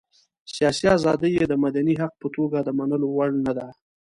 سياسي ازادي یې د مدني حق په توګه د منلو وړ نه ده.